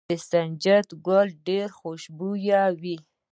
د سنجد ګل ډیر خوشبويه وي.